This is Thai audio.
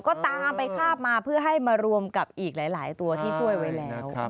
ก็ตามไปคาบมาเพื่อให้มารวมกับอีกหลายตัวที่ช่วยไว้แล้ว